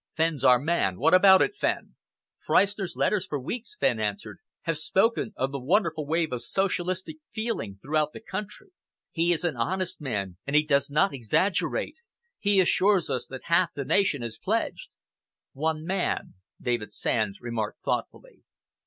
Fenn's our man. What about it, Fenn?" "Freistner's letters for weeks," Fenn answered, "have spoken of the wonderful wave of socialistic feeling throughout the country. He is an honest man, and he does not exaggerate. He assures us that half the nation is pledged." "One man," David Sands remarked thoughtfully.